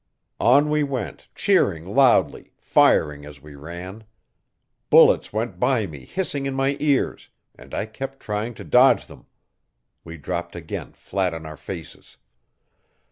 On we went, cheering loudly, firing as we ran, Bullets went by me hissing in my ears, and I kept trying to dodge them. We dropped again flat on our faces.